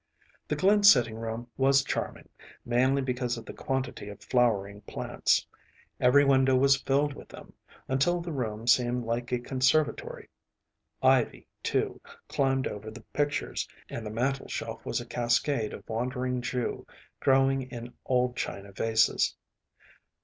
The Glynn sitting room was charming, mainly because of the quantity of flowering plants. Every window was filled with them, until the room seemed like a conservatory. Ivy, too, climbed over the pictures, and the mantel shelf was a cascade of wandering Jew, growing in old china vases.